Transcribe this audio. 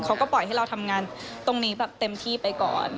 เขาก็ปล่อยให้เราทำงานตรงนี้แบบเต็มที่ไปก่อน